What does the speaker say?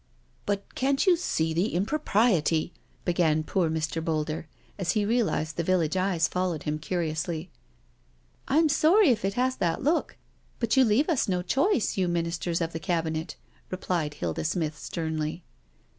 " But can't you see the impropriety ...?" began poor Mr. Boulder, as he realised the village eyes following him curiously. "I'm sorry if it has that look, but you leave us no choice, you Ministers of the Cabinet," replied Hilda Smith sternly.